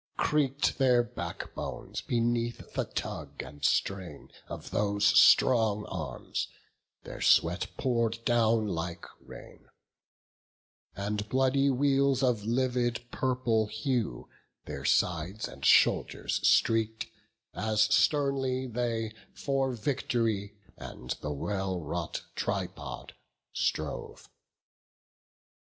Creak'd their backbones beneath the tug and strain Of those strong arms; their sweat pour'd down like rain; And bloody weals of livid purple hue Their sides and shoulders streak'd, as sternly they For vict'ry and the well wrought tripod strove.